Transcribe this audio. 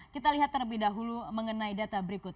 kita lihat terlebih dahulu mengenai data berikut